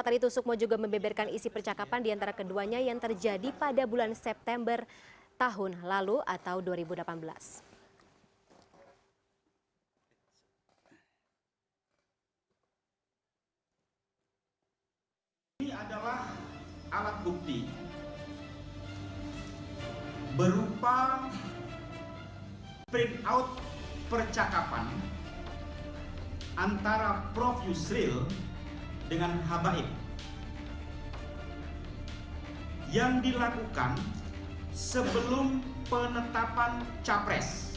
tadi sudah kita sampaikan dalam panjang lebar